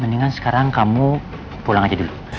mendingan sekarang kamu pulang aja dulu